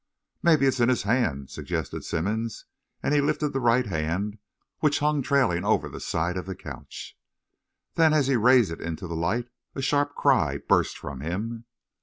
"Maybe it's in his hand," suggested Simmonds, and lifted the right hand, which hung trailing over the side of the couch. Then, as he raised it into the light, a sharp cry burst from him.